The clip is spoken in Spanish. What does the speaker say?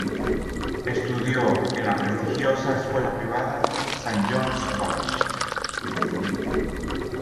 Estudió en la prestigiosa escuela privada St John's College.